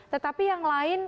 tetapi yang lain